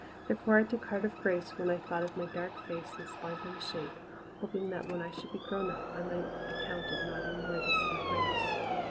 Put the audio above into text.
Therefore I took heart of grace when I thought of my dark face and spindling shape, hoping that when I should be grown up I might be counted not unworthy of my race.